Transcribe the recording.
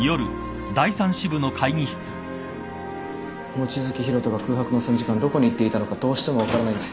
望月博人が空白の３時間どこに行っていたのかどうしても分からないんです。